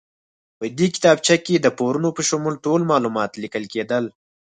په دې کتابچه کې د پورونو په شمول ټول معلومات لیکل کېدل.